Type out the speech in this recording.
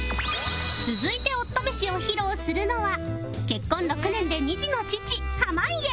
続いて夫メシを披露するのは結婚６年で２児の父濱家